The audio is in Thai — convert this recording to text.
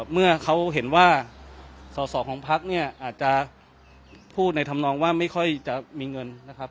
เมื่อเขาเห็นว่าสอสอของพักเนี่ยอาจจะพูดในธรรมนองว่าไม่ค่อยจะมีเงินนะครับ